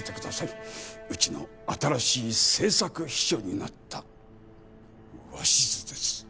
うちの新しい政策秘書になった鷲津です。